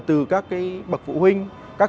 từ các cái bậc phụ huynh các